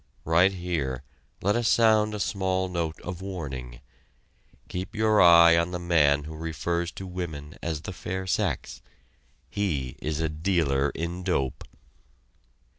Right here, let us sound a small note of warning. Keep your eye on the man who refers to women as the "fair sex" he is a dealer in dope!